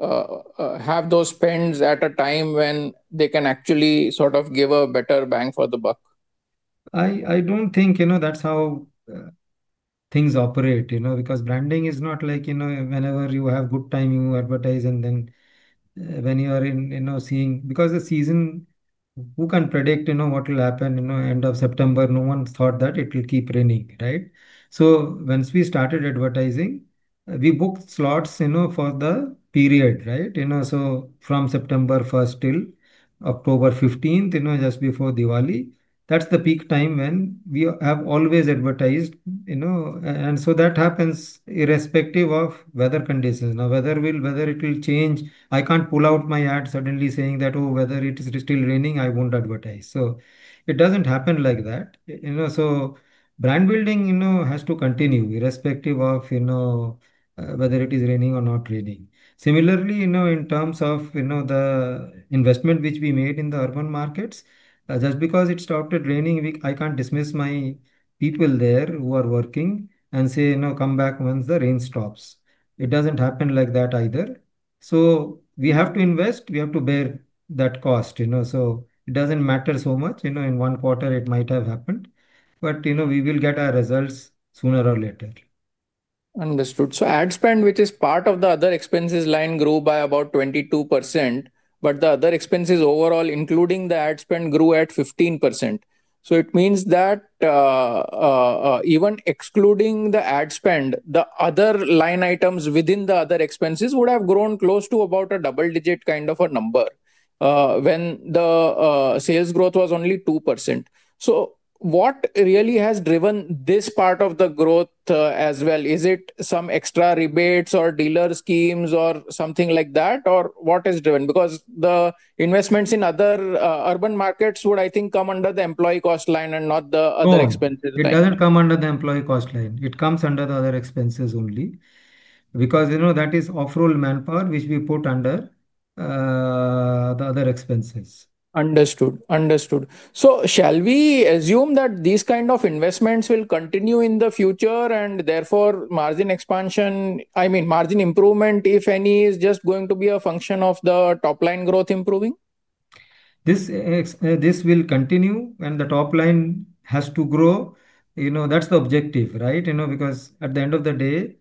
have those spends at a time when they can actually sort of give a better bang for the buck? I do not think that is how things operate because branding is not like whenever you have a good time, you advertise, and then when you are in, seeing because the season, who can predict what will happen? End of September, no one thought that it will keep raining, right? Once we started advertising, we booked slots for the period, right? From September 1st till October 15th, just before Diwali, that is the peak time when we have always advertised. That happens irrespective of weather conditions. Now, whether it will change, I cannot pull out my ad suddenly saying that, "Oh, whether it is still raining, I will not advertise." It does not happen like that. Brand building has to continue irrespective of whether it is raining or not raining. Similarly, in terms of the investment which we made in the urban markets, just because it started raining, I cannot dismiss my people there who are working and say, "Come back once the rain stops." It does not happen like that either. We have to invest. We have to bear that cost. It does not matter so much. In one quarter, it might have happened, but we will get our results sooner or later. Understood. Ad spend, which is part of the other expenses line, grew by about 22%. The other expenses overall, including the ad spend, grew at 15%. That means that even excluding the ad spend, the other line items within the other expenses would have grown close to about a double-digit kind of a number when the sales growth was only 2%. So what really has driven this part of the growth as well? Is it some extra rebates or dealer schemes or something like that? Or what has driven? Because the investments in other urban markets would, I think, come under the employee cost line and not the other expenses. It does not come under the employee cost line. It comes under the other expenses only. Because that is off-roll manpower, which we put under the other expenses. Understood. Understood. So shall we assume that these kinds of investments will continue in the future and therefore margin expansion, I mean, margin improvement, if any, is just going to be a function of the top-line growth improving? This will continue when the top-line has to grow. That is the objective, right? Because at the end of the day,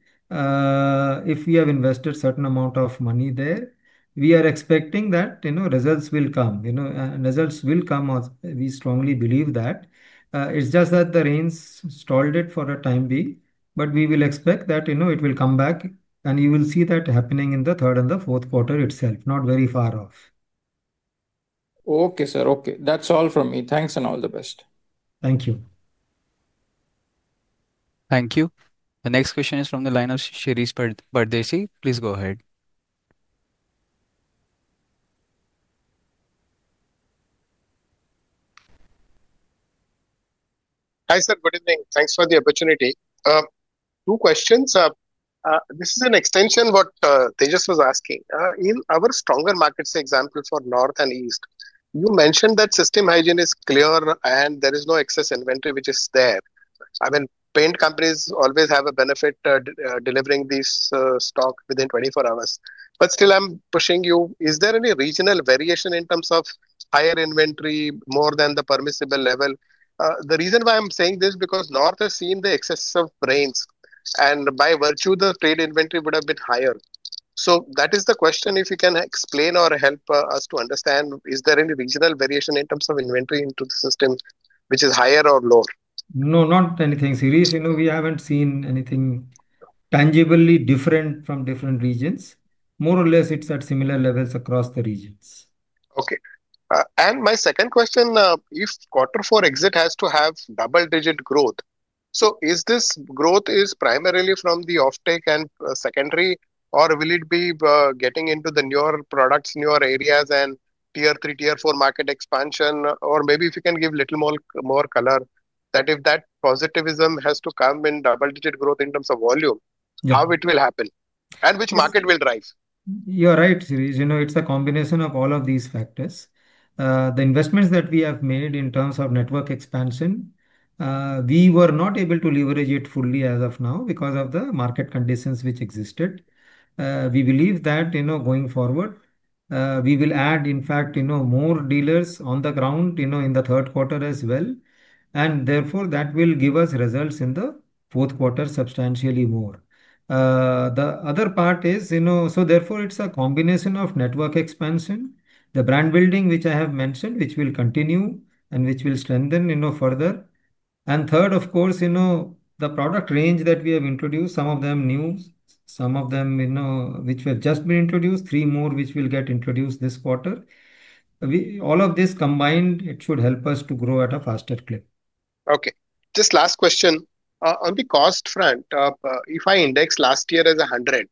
if we have invested a certain amount of money there, we are expecting that results will come. Results will come, as we strongly believe that. It is just that the rains stalled it for the time being, but we will expect that it will come back. And you will see that happening in the third and the fourth quarter itself, not very far off. Okay, sir. Okay. That is all from me. Thanks and all the best. Thank you. Thank you. The next question is from the line of Shirish Pardeshi. Please go ahead. Hi, sir. Good evening. Thanks for the opportunity. Two questions. This is an extension of what Tejas was asking. In our stronger markets, example for North and East, you mentioned that system hygiene is clear and there is no excess inventory which is there. I mean, paint companies always have a benefit delivering this stock within 24 hours. But still, I am pushing you. Is there any regional variation in terms of higher inventory, more than the permissible level? The reason why I am saying this is because North has seen the excess of rains. And by virtue, the trade inventory would have been higher. So that is the question. If you can explain or help us to understand, is there any regional variation in terms of inventory into the system, which is higher or lower? No, not anything. Shirish, we have not seen anything tangibly different from different regions. More or less, it is at similar levels across the regions. Okay. And my second question, if quarter four exit has to have double-digit growth, so is this growth primarily from the offtake and secondary, or will it be getting into the newer products, newer areas, and tier three, tier four market expansion? Or maybe if you can give a little more color, that if that positivism has to come in double-digit growth in terms of volume, how it will happen and which market will drive? You are right, Shirish. It is a combination of all of these factors. The investments that we have made in terms of network expansion. We were not able to leverage it fully as of now because of the market conditions which existed. We believe that going forward, we will add, in fact, more dealers on the ground in the third quarter as well. Therefore, that will give us results in the fourth quarter substantially more. The other part is, so therefore, it is a combination of network expansion, the brand building, which I have mentioned, which will continue and which will strengthen further. Third, of course, the product range that we have introduced, some of them new, some of them which have just been introduced, three more which will get introduced this quarter. All of this combined, it should help us to grow at a faster clip. Okay. Just last question. On the cost front, if I index last year as 100,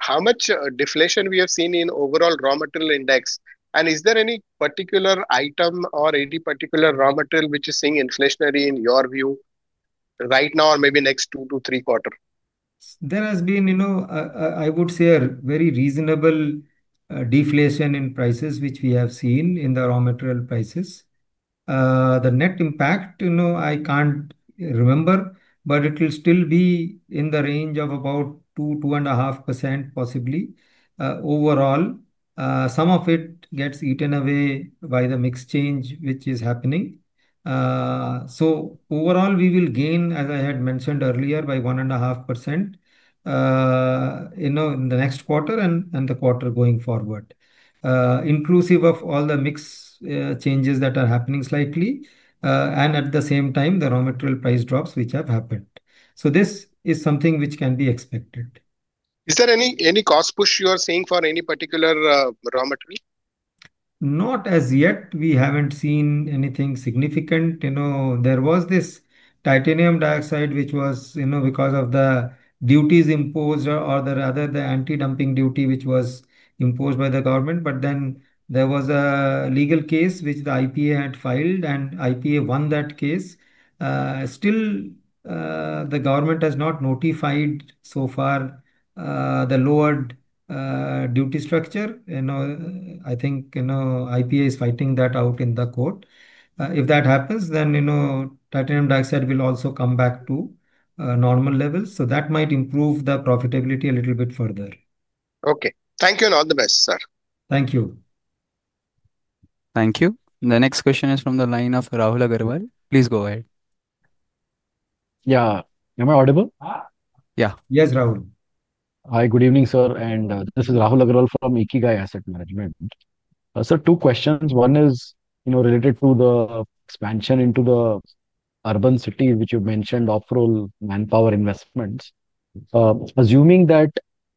how much deflation have we seen in overall raw material index? And is there any particular item or any particular raw material which is seeing inflationary in your view right now or maybe next two to three quarters? There has been, I would say, a very reasonable deflation in prices which we have seen in the raw material prices. The net impact, I cannot remember, but it will still be in the range of about 2%-2.5%, possibly, overall. Some of it gets eaten away by the mixed change which is happening. Overall, we will gain, as I had mentioned earlier, by 1.5% in the next quarter and the quarter going forward, inclusive of all the mixed changes that are happening slightly, and at the same time, the raw material price drops which have happened. This is something which can be expected. Is there any cost push you are seeing for any particular raw material? Not as yet. We have not seen anything significant. There was this titanium dioxide which was because of the duties imposed or the anti-dumping duty which was imposed by the government. Then there was a legal case which the IPA had filed, and IPA won that case. Still, the government has not notified so far the lowered duty structure. I think IPA is fighting that out in the court. If that happens, then titanium dioxide will also come back to normal levels. That might improve the profitability a little bit further. Okay. Thank you and all the best, sir. Thank you. Thank you. The next question is from the line of Rahul Agarwal. Please go ahead. Yeah. Am I audible? Yeah. Yes, Rahul. Hi, good evening, sir. This is Rahul Agarwal from Ikigai Asset Management. Sir, two questions. One is related to the expansion into the urban cities, which you mentioned, off-road manpower investments. Assuming that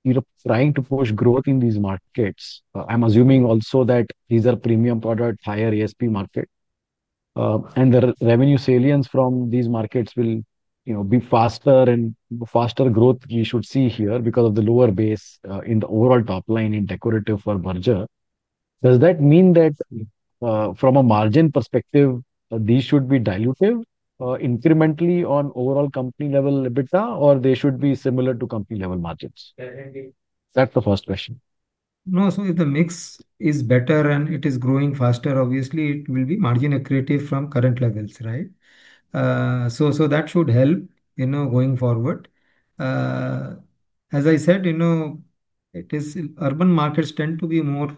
you are trying to push growth in these markets, I am assuming also that these are premium product, higher ASP market. The revenue salience from these markets will be faster and faster growth we should see here because of the lower base in the overall top line in decorative or Berger. Does that mean that. From a margin perspective, these should be diluted incrementally on overall company level EBITDA, or they should be similar to company level margins? That's the first question. No, so if the mix is better and it is growing faster, obviously it will be margin accretive from current levels, right? That should help going forward. As I said, urban markets tend to be more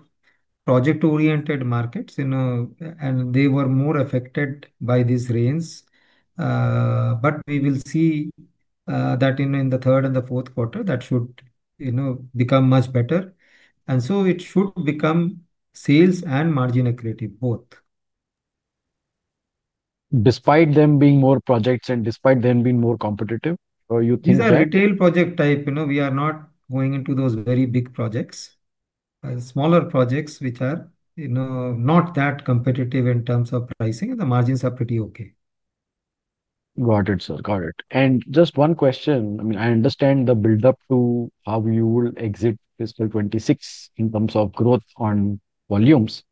project-oriented markets, and they were more affected by these rains. We will see that in the third and the fourth quarter, that should become much better. It should become sales and margin accretive both. Despite them being more projects and despite them being more competitive, or you think that these are retail project type? We are not going into those very big projects. Smaller projects which are not that competitive in terms of pricing, and the margins are pretty okay. Got it, sir. Got it. Just one question. I mean, I understand the build-up to how you will exit fiscal 2026 in terms of growth on volumes.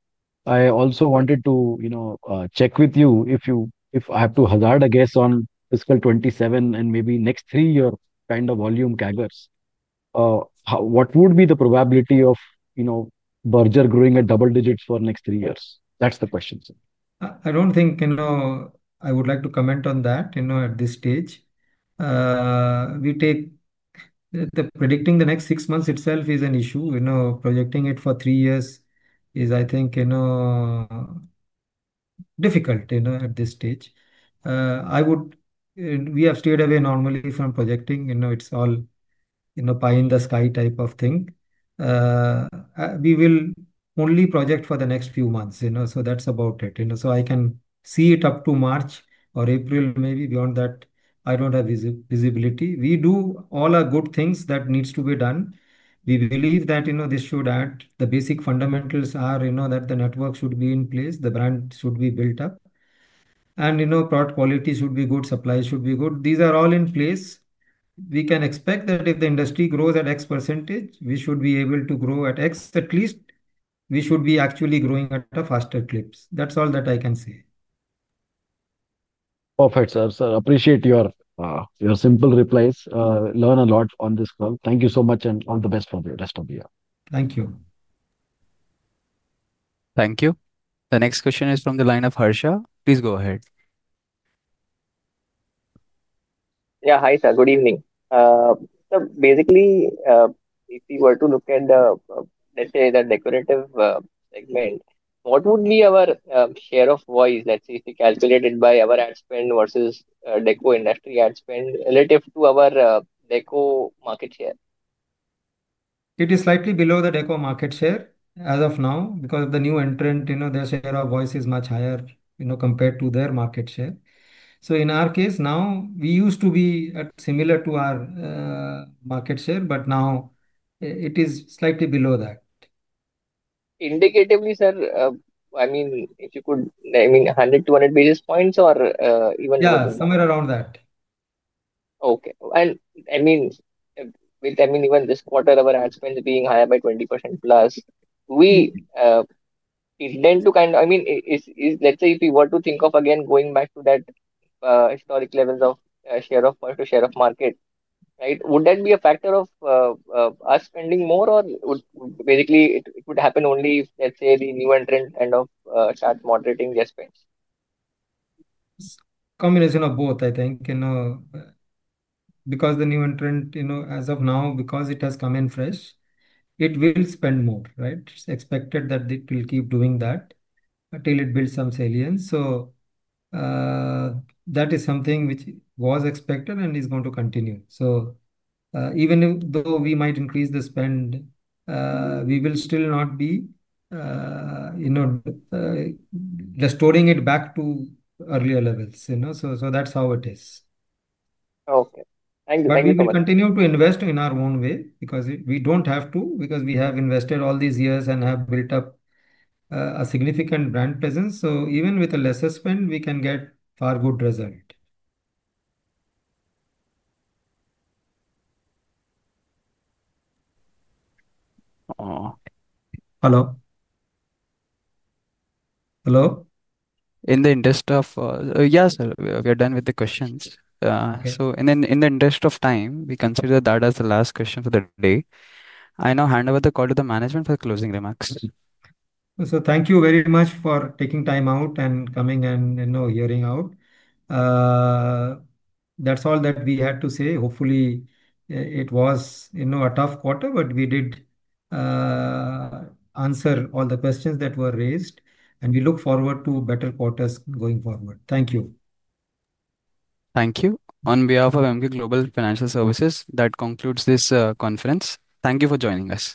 I also wanted to check with you if I have to hazard a guess on fiscal 2027 and maybe next three-year kind of volume CAGRs. What would be the probability of Berger growing at double digits for next three years? That's the question, sir. I don't think I would like to comment on that at this stage. Predicting the next six months itself is an issue. Projecting it for three years is, I think, difficult at this stage. We have stayed away normally from projecting. It's all pie in the sky type of thing. We will only project for the next few months. That's about it. I can see it up to March or April, maybe beyond that I don't have visibility. We do all our good things that need to be done. We believe that this should add. The basic fundamentals are that the network should be in place, the brand should be built up, and product quality should be good, supply should be good. These are all in place. We can expect that if the industry grows at X %, we should be able to grow at X at least. We should be actually growing at a faster clip. That's all that I can say. Perfect, sir. Sir, appreciate your simple replies. Learn a lot on this call. Thank you so much and all the best for the rest of the year. Thank you. Thank you. The next question is from the line of Harsha. Please go ahead. Yeah, hi, sir. Good evening. Basically, if we were to look at, let's say, the decorative segment, what would be our share of voice, let's say, if we calculate it by our ad spend versus deco industry ad spend relative to our deco market share? It is slightly below the deco market share as of now because of the new entrant. Their share of voice is much higher compared to their market share. In our case now, we used to be similar to our market share, but now it is slightly below that. Indicatively, sir, I mean, if you could, I mean, 100 to 100 basis points or even? Yeah, somewhere around that. Okay. I mean, even this quarter, our ad spend is higher by 20%+. We tend to kind of, I mean, let's say if we were to think of again going back to that historic levels of share of market, right? Would that be a factor of us spending more or basically it would happen only if, let's say, the new entrant kind of starts moderating their spends? Combination of both, I think. Because the new entrant, as of now, because it has come in fresh, it will spend more, right? It is expected that it will keep doing that until it builds some salience. That is something which was expected and is going to continue. Even though we might increase the spend, we will still not be restoring it back to earlier levels. That is how it is. Okay. Thank you. Thank you so much. We will continue to invest in our own way because we do not have to, because we have invested all these years and have built up a significant brand presence. Even with a lesser spend, we can get a far good result. Hello? Hello? In the interest of, yeah, sir, we are done with the questions. In the interest of time, we consider that as the last question for the day. I now hand over the call to the management for closing remarks. Thank you very much for taking time out and coming and hearing out. That is all that we had to say. Hopefully, it was a tough quarter, but we did answer all the questions that were raised. We look forward to better quarters going forward. Thank you. Thank you. On behalf of Emkay Global Financial Services, that concludes this conference. Thank you for joining us.